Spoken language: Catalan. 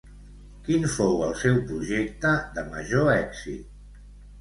Quin fou el seu projecte de major èxit?